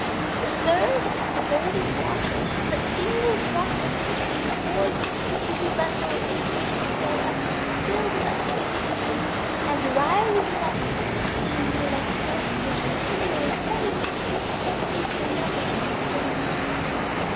The third is the Golden Water, a single drop of which being poured into a vessel increases so as to fill the vessel immediately, and rises up in the middle like a fountain, which continually plays, and yet the basin never overflows."